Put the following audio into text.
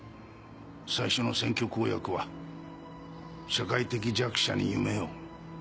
最初の選挙公約は「社会的弱者に夢を」。